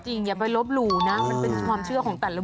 จริงอย่าไปลบหลู่นะ